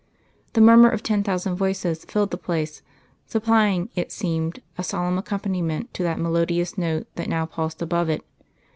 The murmur of ten thousand voices filled the place, supplying, it seemed, a solemn accompaniment to that melodious note that now pulsed above it.